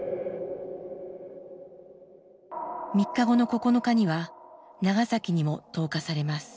３日後の９日には長崎にも投下されます。